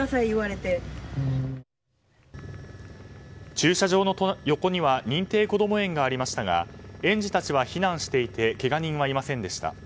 駐車場の横には認定こども園がありましたが園児たちは避難していてけが人はいませんでした。